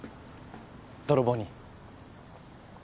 泥棒に。